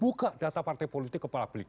buka data partai politik kepada publik